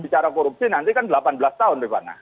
bicara korupsi nanti kan delapan belas tahun rifana